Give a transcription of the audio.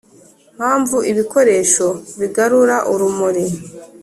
mpamvu ibikoresho bigarura urumuri